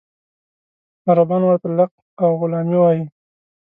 عربان ورته لق او غلامي وایي.